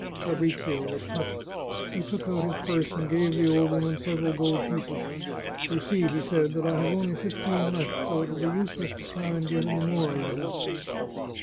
Fabrizio was touched. He took out his purse and gave the old woman several gold pieces. " You see," he said, " that I have only fifteen left, so it will be useless to try and get any more out of me."